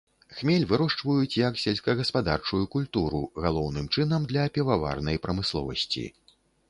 Хмель вырошчваюць як сельскагаспадарчую культуру, галоўным чынам для піваварнай прамысловасці.